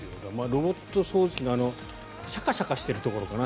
ロボット掃除機のしゃかしゃかしているところかな